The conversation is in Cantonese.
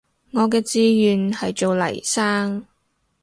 我嘅志願係做黎生